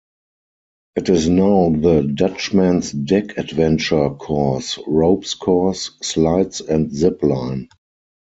It is now the "Dutchman's Deck Adventure Course" ropes course, slides and zip line.